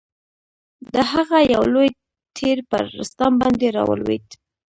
د هغه یو لوی تیر پر رستم باندي را ولوېد.